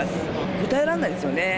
答えられないですよね。